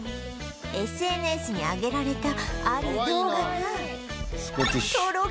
ＳＮＳ に上げられたある動画が